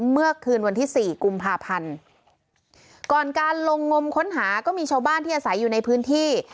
เมื่อคืนวันที่สี่กุมภาพันธ์ก่อนการลงงมค้นหาก็มีชาวบ้านที่อาศัยอยู่ในพื้นที่